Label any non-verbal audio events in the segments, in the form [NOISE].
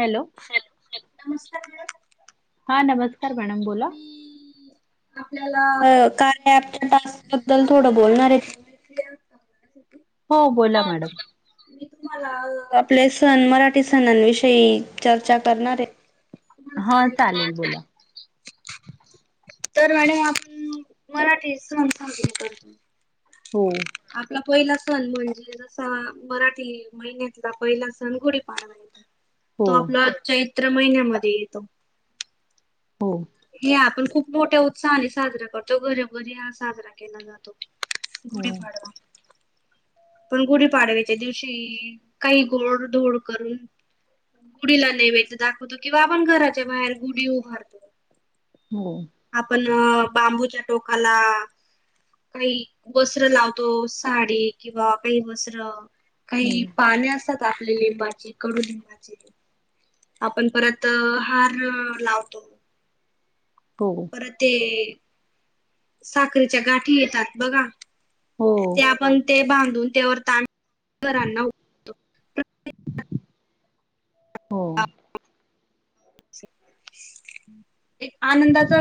Hello हा नमस्कार madam बोला! मी आपल्याला कार्य ॲप च्या टास्क बद्दल थोडं बोलणार हे. हो, बोला मॅडम मी तुम्हाला आपले सण मराठी सणांविषयी चर्चा करणार आहे. हा चालेल बोला तर मॅडम आपण मराठी सन सासरे करतो. हो. पहिला सण म्हणजे जसा मराठी महिन्यातला पहिला सण गुढीपाडवा आहे. हो तो आपला चैत्र महिन्यामध्ये येतो हो हे आपण खूप मोठ्या उत्साहाने साजरा करतो, घरोघरी हा साजरा केला जातो हो गुढीपाडवा. पण गुढीपाडव्याच्या दिवशी, काही गोड धोड करून गुढीला नैवेद्य दाखवतो किंवा आपण घराच्या बाहेर गुढी उभारतो. हो. अ! बांबूच्या टोकाला. काही वस्त्र लावतो, साडी किंवा काही वस्त्र काही हम्म पाणे असतात, आपल्या लिंबाची कडू लिंबाची आपण परत हार लावतो. हो परत ते साखरीच्या गाठी येतात बघा. हो ते आपण ते बांधून त्यावर [UNINTELLIGIBLE] हो! एक आनंदाचा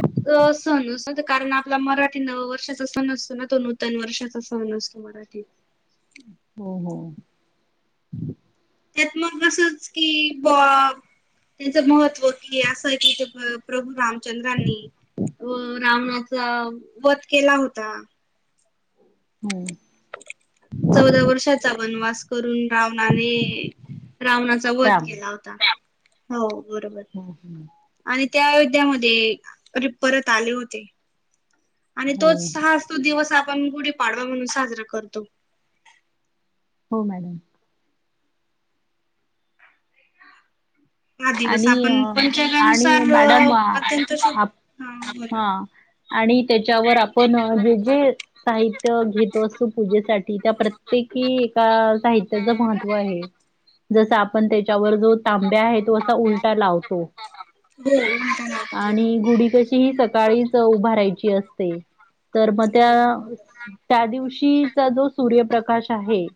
सण असत कारण आपला मरा नव वर्षाचा सण असतो ना तो नूतन वर्षाचा सण असतो मराठी. हो हो त्यात मग असंच की बा त्यांचं महत्त्व कि असं की प्रभू राम चंद्रांनी रावणाचा वध केला होता. हम. चौदा वर्षाचा वनवास करून रावणाने रावणाचा वध राम केला होता, हो बरोबर हो आणि त्या अयोध्यामध्ये अ परत आले होते. आणि हो तोच सा हा असतो दिवस आपण गुढीपाडवा म्हणून साजरा करतो. हो मॅडम. हा दिवस आणि अ आपण आणि पंचांगानुसार मॅडम अत्यंत शु आप हा बरं हा आणि त्याच्यावर आपण जे जे साहित्य घेतो असतो पूजे साठी त्या प्रत्येकी एका साहित्याचे महत्त्व आहे जसं आप त्याच्या वर जो तांब्या आहे तो असा उलटा लावतो. हो म्हणताना आणि गुढी कशी ही सकाळीच उभारायची असते तर मग त्या, हो त्या दिवशी चा जो सूर्यप्रकाश आहे.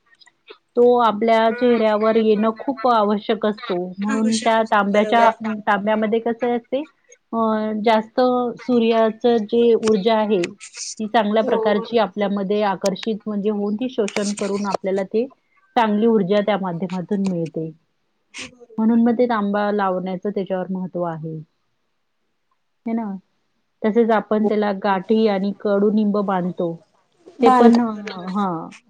तो आपल्या चेहऱ्यावर येणं खूप आवश्यक असतो म्हणून आवश्यक त्या असतो बरोबर. तांब्याच्या ताांब्यामध्ये कस असते. अ जास्त सूर्याच जे ऊर्जा आहे. ती चांगल्या हो प्रकारची बरोबर. आपल्यामध्ये आकर्षित म्हणजे होऊन ते शोषण करून आपल्याला ते चांगली ऊर्जा त्या माध्यमातून मिळते. म्हणून मग ते तांबा लावण्याचं त्याच्यावर महत्त्व आहे. हे ना तसेच आपण त्याला गाठी आणि कडुनिंब बांधतो. ते पण बरोबर हा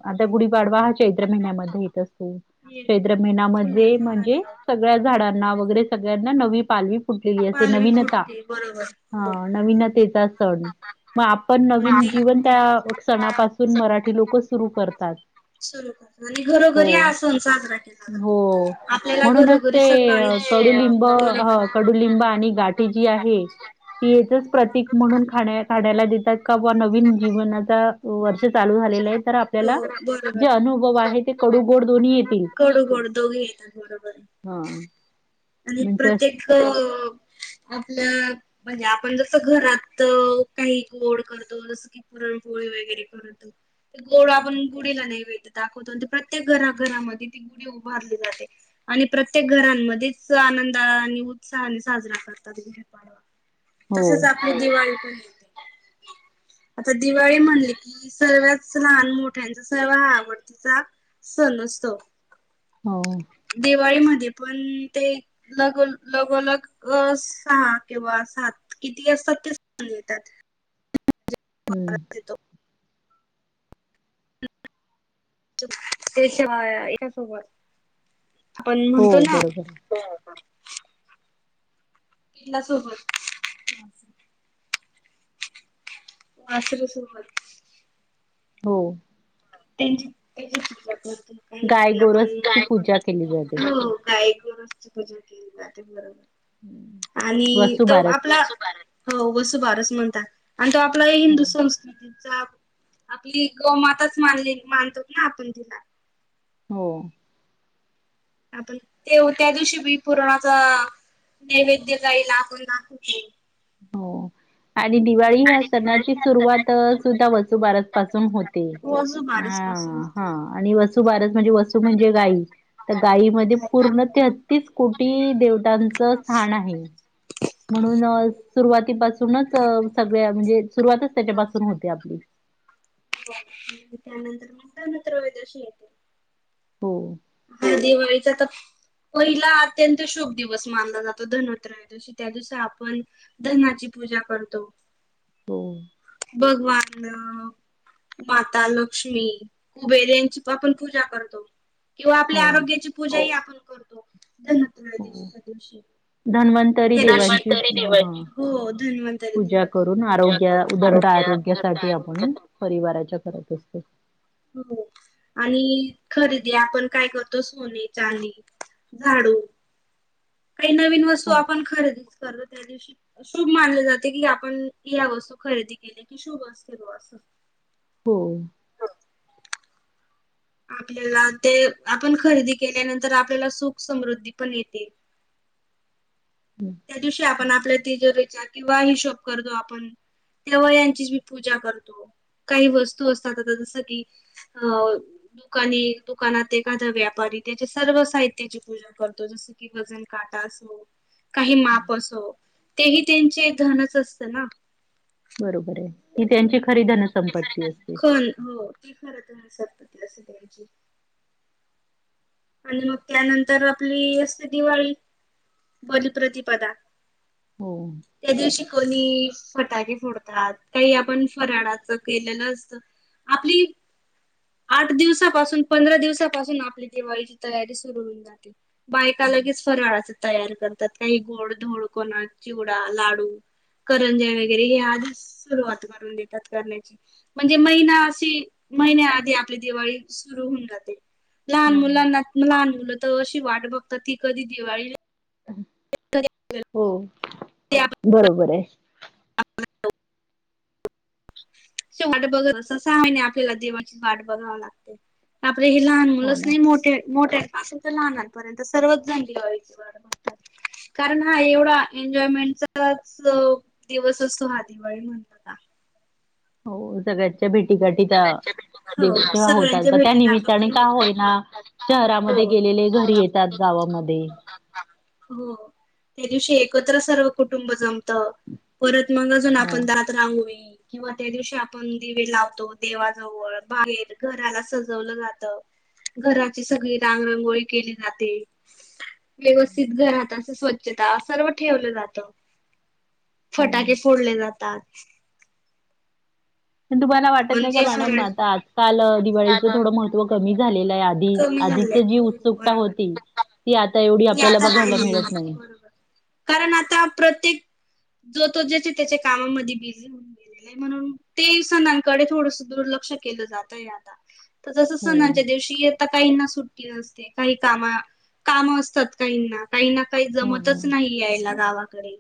आता गुढीपाडवा हा चैत्र महिन्यामध्ये येत असतो. ये चैत्र महिनामध्ये फुलांचा हार म्हणजे लावतो सगळ्या बरोबर. झाडांना वगैरे सगळ्यांना नवी पालवी फुटलेली असे. पालवी फुटती बरोबरं. हा नवीनतेचा सण. मग आपण नवीन अगदी जीवन त्या सणापासून मराठी लोक सुरू करतात. सरू आणि घरोघरी हो अस सण साजरा केला जातो हो. आपल्याला म्हणूनच घरोघरी ते सकाळी कडुलिंब ह कडुलिंब आणि गाठी जी आहे. तीचच प्रतीक म्हणून खा खाण्याला देतात का बा नवीन जीवनाचा वर्षा जे चालू झालेलं आहे तर आपल्याला हो बरोबर जे अनुभव आहे कडू गोड दोन्ही येतील. कडू कडू दोघे येतात बरोबर. हा आणि म्हणजे अश प्रत्येक अ आपल्या म्हणजे आपण जसं घरात अ काही गोड करतो जस की पुरणपोळी वगैरे करतो. ते गोड आपण गुढीला नैवदय दाखवतो अनं प्रत्येक घरा घरामध्ये ती गुढी उभारली जाते. आणि प्रत्येक घरांमध्येच आनंद आणि उत्साहाने साजरा करतात गुढीपाडवा. हो तसेच आपली दिवाळी पण. आता दिवाळी म्हणली की सर्वच लहान मोठ्यांचा सर्व आवडतीचा- सण असतो. हो दिवाळीमध्ये पण ते लग लगोलग सहा किंवा सात किती असतात ते सन येतात. हम्म. ते शिवाय एकासोबत आपण हो म्हणतो ना. बरोबर आहे. किल्या सोबत. वासरू सोबत. हो गाय काही आपण गोरसची गाय पूजा केली जाते. [UNINTELLIGIBLE] पूजा केली जाते बरोबर आणि तो वसुबारस आपला. हो वसूबारस म्हणतात आणि तो आपला या हिंदू संस्कृतीचा आपली गो-माताच मानली मानतो ना आपण तिला हो आपण ते त्या दिवशी बी पुरणाचा नैवेद्य गायीला आपण दाखवतो. हो आणि दिवाळी ह्या सणाची हा सुरुवात सुद्धा वसुबारस पासून होते. रोज बारसपासून ह हा होते. आणि वसुबारस म्हणजे वसू म्हणजे गाय तर गायमध्ये पूर्ण तेहत्तीस कोटी देवतांच स्थान आहे. म्हणून सुरुवातीपासूनच सगळ्या म्हणजे सुरुवातच त्याच्यापासून होते आपली. त्यानंतर म्हणता [UNINTELLIGIBLE] येतो हो हा दिवाळीचा तर. पहिला अत्यंत शुभ दिवस मानला जातो. धनोत्रयदवशी त्या दिवस आपण धनाची पूजा करतो. हो भगवान माता लक्ष्मी कुबेर यांची आपण पूजा करतो. किंवा आपल्या हो, आरोग्याची पूजा या [UNINTELLIGIBLE] तुम हो. दिवशीच्या दिवशी धन्वंतरी [UNINTELLIGIBLE] देवांची धन्वंतरी देवाची हां. हो धन्वंतरी पूजा देवाची करून पूजा आरोग्य करून आरो उदंड आरोग्यासाठी आपण परिवाराच्या करत असतो. हो आणि खरेदी आपण काय करतो सोने, चांदी झाडू काही नवीन वस्तू हो, आपण खरेदीच कर त्या दिवशी शुभ मानले जाते कि आपण या वस्तू खरेदी केली की शुभ असते बुवा असं हो आपल्याला ते आपण खरेदी केल्यानंतर आपल्याला सुख समृद्धी पण येते. त्या दिवशी आपण आपल्या तिजोरीचा किंवा हिशोब करतो आपण तेव्हा यांचीच मी पूजा करतो, काही वस्तू असतात आता जसं की अ दुकानी दुकानात एखादा व्यापारी त्याची सर्व साहित्याची पूजा करतो ज स की वजनकाटा असो, काही माप असो तेही तेंचे धनच असत ना. बरोबर आहे ही त्यांची खरी धनसंपत्ती असते [UNINTELLIGIBLE] खरच हो ते खरंच आहे [UNINTELLIGIBLE] लस्सी प्यायची. आणि मग त्यानंतर आपली असते दिवाळी. [UNINTELLIGIBLE] प्रतिपदा. हो त्या दिवशी कोणी फटाके फोडतात काही आपण फराळाच केलेलं असतं. आपली आठ दिवसापासून पंधरा दिवसापासून आपली दिवाळीची तयारी सुरू होऊन जाते बायका लगेच फराळाच तयार करतात काही गोड धोड कोणा चिवडा, लाडू करंज्या, वगैरे हे आधीच सुरुवात करून देतात करण्याची म्हणजे महिना अशी महिन्याआधी आपली दिवाळी सुरू होऊन जाते. लहान हो ना मुलांना लहान मुलं त अशी वाट बघतात की कधी दिवाळी हो कधी बरोबर आहे. वाट बघत अस सहा जण महिने आपल्याला दिवाळीची वाट बघावी लागते. हे लहान हो मुलंच ना नाही मोठे मोठे असे तर लहनांपर्यंत सर्वच जण दिवाळीची वाट बघतात. कारण हा एवढा एन्जॉयमेंटचाच दिवस असतो हा दिवाळी म्हणत का हो सगळ्याच्या भेटीगाठी त्या हो तेव्हा सगळ्यांच्या होतात त्या भेटी गाठी निमित्ताने पण का होतात. होईना शहरामध्ये हो. गेलेले घरी येतात गा वामध्ये. हो त्या दिवशी एकत्र सर्व कुटुंब जमत परत मग अजून हो आपण दारात रांगोळी किंवा त्या दिवशी आपण दिवे लावतो देवाजवळ बाहेर घराला सजवलं जात घराची सगळी रांग रंगोळी केली जाते व्यवस्थित घरात आस स्वच्छता सर्व ठेवलं जात. हो फटाके फोडले जातात. पण तुम्हाला वाटत आपण नाही का जे मॅडम फरळ आता आजकाल दिवाळीचं थोडं महत्व कमी झालेलं आहे आ कमी झालंय आधीच जी हो उत्सुकता बरोबर होती ती आत [UNINTELLIGIBLE] बरोबर कारण आता प्रत्येक जो तो ज्याच्या त्याच्या कामामध्ये बिझी होऊन गेलं म्हणून ते सणांकडे थोडस दुर्लक्ष केलं जातय आता जसं हो सणाच्या दिवशी येता काहींना सुट्टी असते काही कामा काम अस तात काही ना काही ना काही हो ना जमतच नाही यायला गावाकडे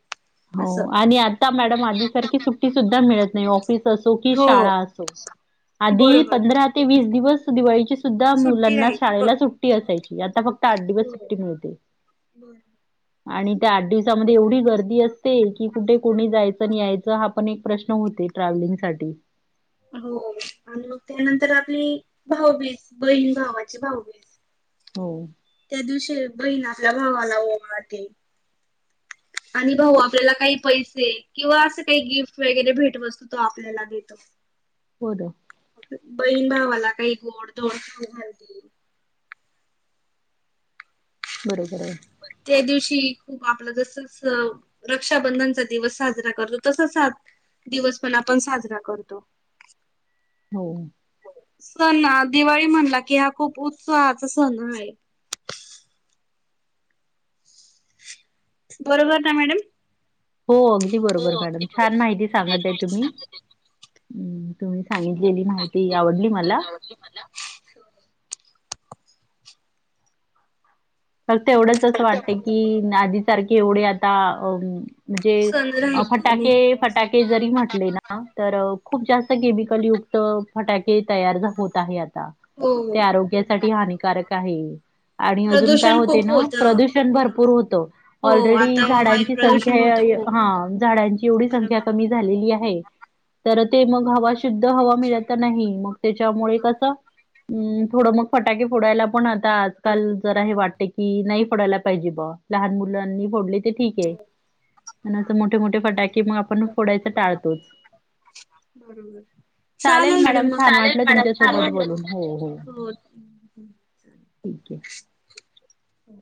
हो असं आणि आ ता मॅडम आधीसारखी सुट्टी सुद्धा मिळत नाही ऑफिस असो की हो शाळा असो आधी बरोबर पंधरा ते वीस दिवस दिवाळीची सुद्धा सुट्टी मुलांना राहील ब शाळेला सुट्टी असायची आता फक्त. आठ दिवस हो सुट्टी मिळते बर आणि त्या आठ दिवसामध्ये एवढी गर्दी असते. की कुठे कोणी जायचं आणि यायचं हा पण एक प्रश्न होते ट्रॅव्हलिंग साठी. हो आणि मग त्यानंतर. आपली भाऊभीज बहीण भावाची भाऊभीज हो त्या दिवशी बहीण आपल्या भावाला ओवाळते. आणि भाऊ आपल्याला काही पैसे किंवा असं काही गिफ्ट वगैरे भेटवस्तू तो आपल्याला देतो. होत. बहीण भावाला काही गोड दोड खऊ घालतील. बरोबर आहे. त्या दिवशी खूप आपलं जस रक्षाबंधनचा दिवस साजरा करतो तसच ह दिवस पण आपण साजरा करतो. हो. सण दिवाळी म्हणला कि हा खूप उत्साहाचा सण आहे. बरोबर ना मॅडम. हो अगदी बरोबर मॅडम छान माहिती सांगत आहे तुम्ही् तुम्ही. सांगितलेली माहिती आवडली मला. फक्त एवढंच असं वाटत की आधी सारखे एवढे आता अ म्हणजे सण राहिले नाही. फटाके फटाके जरी म्हटले ना तर खूप जास्त केमिकल युक्त फटाके तयार होत आहे आता हो ते आरोग्यासाठी हानिकारक आहे. आणि अजून. काय प्रदूषण होते खूप ना होत प्रदूषण बरोबर. भरपूर होत हो ऑलरेडी आता वायू झाडाची प्रदूषण होतं संख्या खूप झाडांची एवढी संख्या कमी बरोबर. झालेली आहे. तर ते मग हवा शुद्ध हवा मिळत नाही मग त्याच्यामुळे कसं अ थोडं मग फटाके फोडायला पण आता आजकाल जरा हे वाटत. की नाही फोडायला पाहिजे बा लहान मुलांनी फोडली ते ठीक आहे. मोठे मोठे फटाके मग आपण फोडायच टाळतोच. बरोबर. चालेल मॅडम मग छान चालेल वाटलं तुमच्यासोबत मॅडम बोलून. ले हो, हो. ठीक आहे. हो.